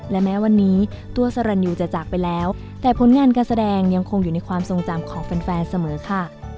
และแม้วันนี้ตัวสรรยูจะจากไปแล้วแต่ผลงานการแสดงยังคงอยู่ในความทรงจำของแฟนเสมอค่ะ